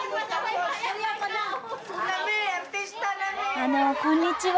あのこんにちは。